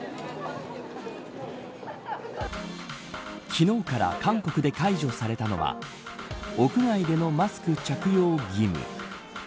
昨日から韓国で解除されたのは屋外でのマスク着用義務。